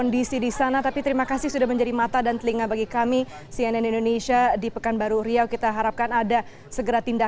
dan pernah menitipkan anak atau kerabat